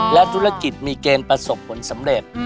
และธุรกิจมีเกณฑ์ประสบผลสำเร็จ